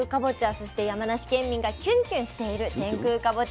そして山梨県民がキュンキュンしている天空かぼちゃ。